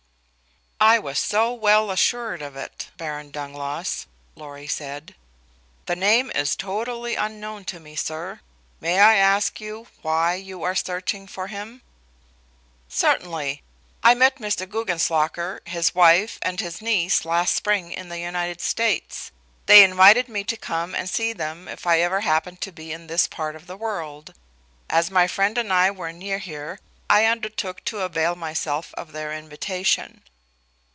"I was so well assured of it, Baron Dangloss," Lorry said. "The name is totally unknown to me, sir. May I ask why you are searching for him?" "Certainly. I met Mr. Guggenslocker, his wife and his niece last spring in the United States. They invited me to come and see them if I ever happened to be in this part of the world. As my friend and I were near here I undertook to avail myself of their invitation."